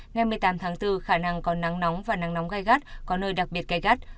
ngày một mươi tám tháng bốn khả năng có nắng nóng và nắng nóng gai gắt có nơi đặc biệt gai gắt